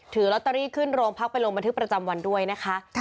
ถือลอตเตอรี่ขึ้นโรงพักไปลงบันทึกประจำวันด้วยนะคะ